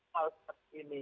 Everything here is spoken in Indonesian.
kalau seperti ini